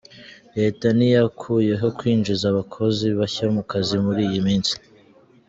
Leta ntiyakuyeho kwinjiza abakozi bashya mu kazi muri iyi minsi